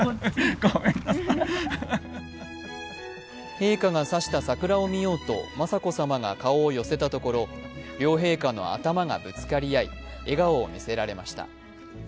陛下が指した桜を見ようと雅子さまが顔を寄せたところ、両陛下の頭がぶつかり合い、笑顔を見せられました。